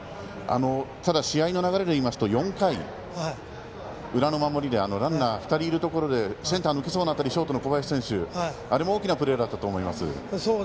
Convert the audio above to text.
ただ、試合の流れで言うと４回の裏の守りでランナーが２人いるところでセンターに抜けそうな当たりショートの小林選手あれも大きなプレーだったと思います。